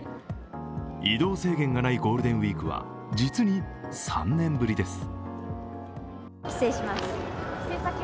移動制限がないゴールデンウイークは実に３年ぶりです。